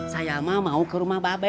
saya mah mau ke rumah babe